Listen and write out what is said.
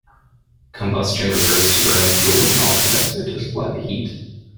"Combustion" refers to burning fuel with an oxidizer, to supply the heat.